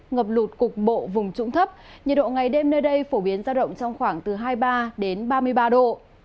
ngập lụt cục bộ vùng trũng thấp nhiệt độ ngày đêm nơi đây phổ biến ra động trong khoảng từ hai mươi ba đến ba mươi ba độ